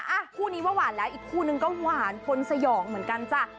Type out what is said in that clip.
อ่ะคู่นี้ว่าหวานแล้วอีกคู่นึงก็หวานคนสยองเหมือนกันจ้ะ